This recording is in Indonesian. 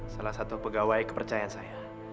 salah satu pegawai kepercayaan saya